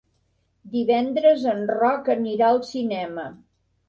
Divendres en Roc anirà al cinema.